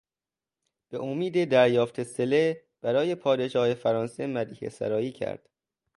به امید دریافت صله برای پادشاه فرانسه مدیحهسرایی کرد.